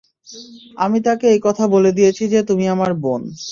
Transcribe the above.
আমি তাকে এই কথা বলে দিয়েছি যে, তুমি আমার বোন।